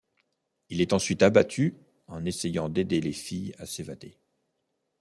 Il est ensuite abattu en essayant d'aider les filles à s'évader.